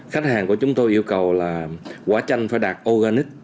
khách hàng của chúng tôi yêu cầu là quả chanh phải đạt organic